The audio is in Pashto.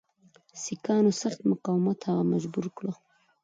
سیکهانو سخت مقاومت هغه مجبور کړ.